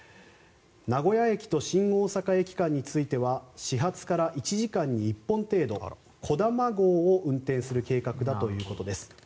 名古屋駅と新大阪駅間については始発から１時間に１本程度「こだま号」を運転する計画だということです。